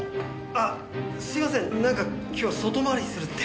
あすいませんなんか今日は外回りするって。